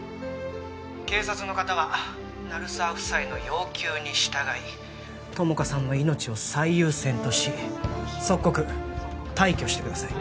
警察の方は鳴沢夫妻の要求に従い友果さんの命を最優先とし即刻退去してください